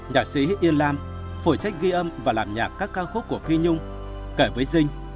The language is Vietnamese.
nhạc sĩ yên lam phổi trách ghi âm và làm nhạc các ca khúc của phi nhung kể với dinh